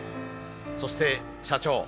そして社長。